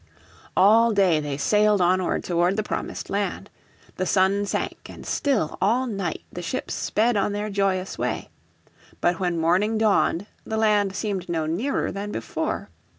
All day they sailed onward toward the promised land. The sun sank and still all night the ships sped on their joyous way. But when morning dawned the land seemed no nearer than before.